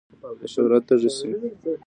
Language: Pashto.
د شهرت تږی شي.